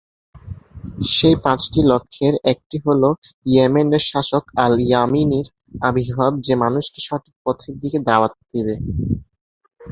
সেই পাঁচটি লক্ষণের একটি হল ইয়েমেনের শাসক আল-ইয়ামানির আবির্ভাব, যে মানুষকে সঠিক পথের দিকে দাওয়াত দিবে।